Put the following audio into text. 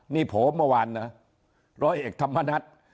นี่โผล่เมื่อวานนะร้อยเอกธรรมนัฐ